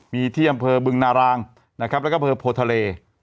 มีที่อำเภอบึงนารางนะครับแล้วก็อำเภอโพทะเล